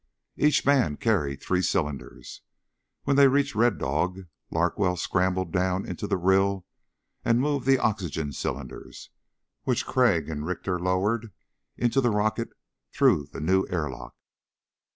Each man carried three cylinders. When they reached Red Dog, Larkwell scrambled down into the rill and moved the oxygen cylinders, which Crag and Richter lowered, into the rocket through the new airlock.